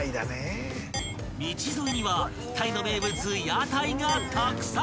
［道沿いにはタイの名物屋台がたくさん］